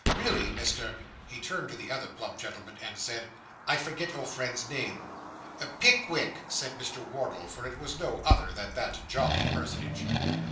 Really, Mr. ' He turned to the other plump gentleman, and said, 'I forget your friend's name.' 'Pickwick,' said Mr. Wardle, for it was no other than that jolly personage.